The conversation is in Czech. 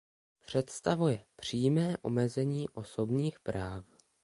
Představuje přímé omezení osobních práv.